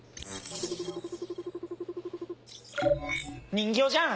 人形じゃん！